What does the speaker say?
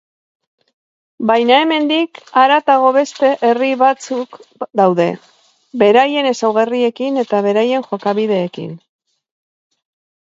Baina hemendik haratago beste herri batzuk daude, beraien ezaugarriekin eta beraien jokabideekin.